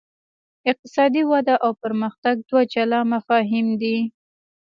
اقتصادي وده او پرمختګ دوه جلا مفاهیم دي.